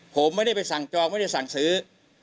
ผมไม่ได้ไปสั่งจองไม่ได้สั่งซื้อ